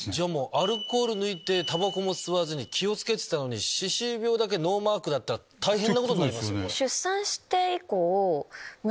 アルコール抜いてタバコも吸わず気を付けてたのに歯周病だけノーマークだったら大変なことになりますね。